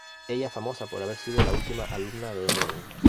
Ella es famosa por haber sido la última alumna de Rodin.